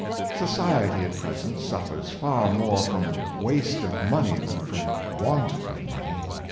Society at present suffers far more from waste of money than from want of money.